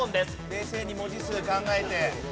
冷静に文字数考えて。